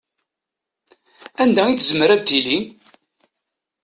Anda i tezmer ad tili?